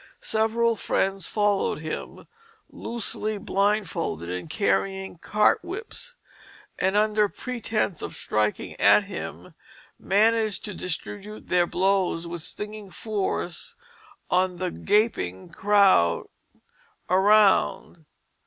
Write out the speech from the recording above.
Several friends followed him, loosely blindfolded and carrying cart whips; and under pretence of striking at him managed to distribute their blows with stinging force on the gaping crowd around.